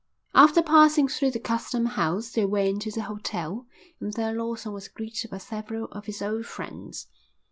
After passing through the custom house they went to the hotel and there Lawson was greeted by several of his old friends.